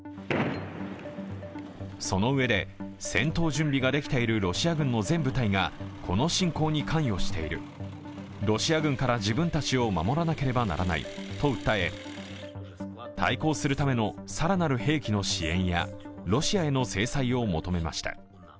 そのうえで、戦闘準備ができているロシア軍の全部隊がこの侵攻に関与している、ロシア軍から自分たちを守らなければならないと訴え対抗するための更なる兵器の支援やロシアへの制裁を求めました。